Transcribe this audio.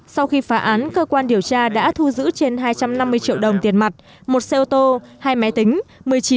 sau khi phá án cơ quan điều tra đã thu giữ trên hai trăm năm mươi triệu đồng tiền mặt một xe ô tô hai máy tính